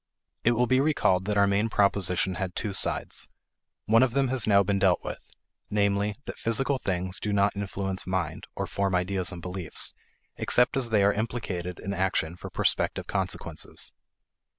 It will be recalled that our main proposition had two sides. One of them has now been dealt with: namely, that physical things do not influence mind (or form ideas and beliefs) except as they are implicated in action for prospective consequences.